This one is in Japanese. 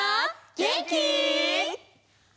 げんき？